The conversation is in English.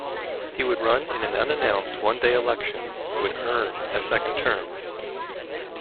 He would run in a unannounced one day election, would "earn" a second term.